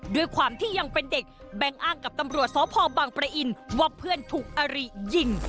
ด้วยความที่ยังเป็นเด็กแบงค์อ้างกับตำรวจสพบังปะอินว่าเพื่อนถูกอาริยิง